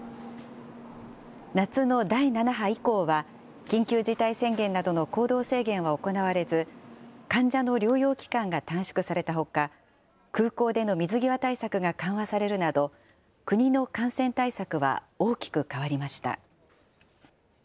夏の第７波以降は、緊急事態宣言などの行動制限は行われず、患者の療養期間が短縮されたほか、空港での水際対策が緩和されるなど、国の感染対策は大きく変わりました。